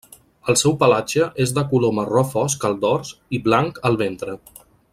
El seu pelatge és de color marró fosc al dors i blanc al ventre.